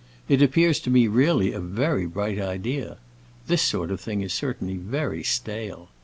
It appears to me really a very bright idea. This sort of thing is certainly very stale.